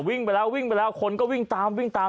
วิ่งไปแล้ววิ่งไปแล้วคนก็วิ่งตามวิ่งตาม